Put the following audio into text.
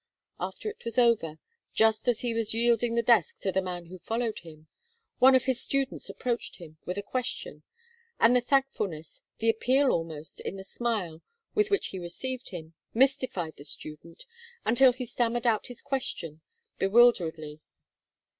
After it was over, just as he was yielding the desk to the man who followed him, one of his students approached him with a question and the thankfulness, the appeal, almost, in the smile with which he received him, mystified the student until he stammered out his question bewilderedly.